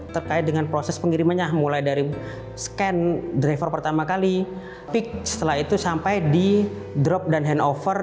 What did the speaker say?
terkait dengan proses pengirimannya mulai dari scan driver pertama kali peak setelah itu sampai di drop dan handover